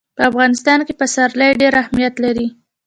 په افغانستان کې پسرلی ډېر اهمیت لري.